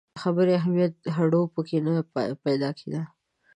خبري اهمیت هډو په کې نه پیدا کېده.